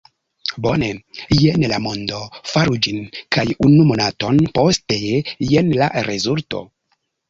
Bone, jen la mondo, faru ĝin! kaj unu monaton poste, jen la rezulto!